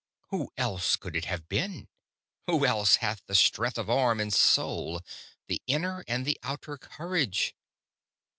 Who else could it have been? Who else hath the strength of arm and soul, the inner and the outer courage?